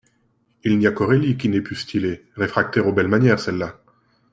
Il n'y a qu'Aurélie qu'il n'ait pu styler : réfractaire aux belles manières, celle-là !